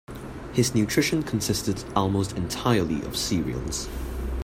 His nutrition consisted almost entirely of cereals.